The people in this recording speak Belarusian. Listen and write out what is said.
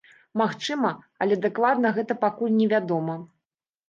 Магчыма, але дакладна гэта пакуль не вядома.